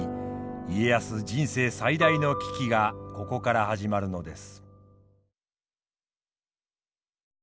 家康人生最大の危機がここから始まるのです。